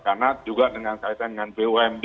karena juga dengan kaitan dengan bumd